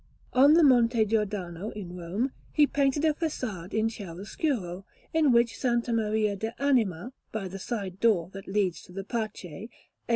On the Monte Giordano, in Rome, he painted a façade in chiaroscuro, and in S. Maria de Anima, by the side door that leads to the Pace, a S.